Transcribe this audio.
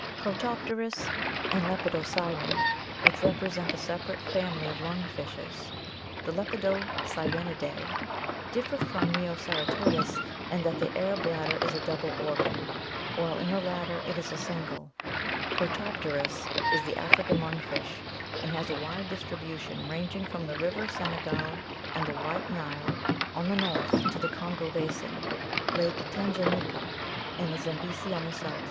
Protopterus and Lepidosiren, which represent a separate family of lung fishes, the Lepidosirenidae, differ from Neoceratodus in that the air bladder is a double organ, while in the latter it is single. Protopterus (Fig. 140) is the African lung fish, and has a wide dis tribution ranging from the river Senegal and the White Nile on the north to the Kongo basin, Lake Tanganyika, and the Zambesi on the south.